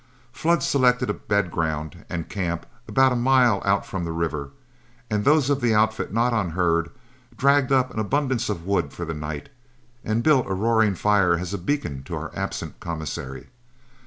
Flood selected a bed ground and camp about a mile out from the river, and those of the outfit not on herd dragged up an abundance of wood for the night, and built a roaring fire as a beacon to our absent commissary.